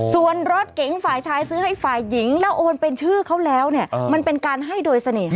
ส่วนรถเก๋งฝ่ายชายซื้อให้ฝ่ายหญิงแล้วโอนเป็นชื่อเขาแล้วเนี่ยมันเป็นการให้โดยเสน่หา